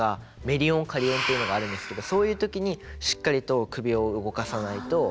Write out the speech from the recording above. メリ音カリ音ていうのがあるんですけどそういう時にしっかりと首を動かさないと。